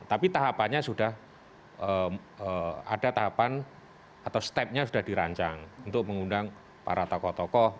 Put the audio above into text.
tapi tahapannya sudah ada tahapan atau stepnya sudah dirancang untuk mengundang para tokoh tokoh